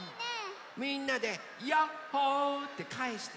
みんなでヤッホーってかえして！